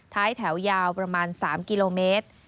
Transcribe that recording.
ท้ายแถวยาวประมาณ๓กิโลเมตร